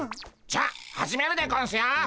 じゃあ始めるでゴンスよ！